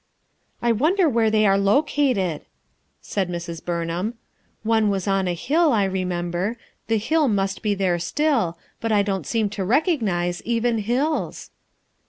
"I wonder where they were located?" said Mrs. Burnham. "One was on a hill, I re member; the hill must he here still, but I don't seem to recognize even hills."